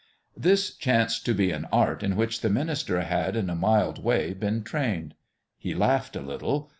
This chanced to be an art in which the minister had in a mild way been trained. He laughed a little.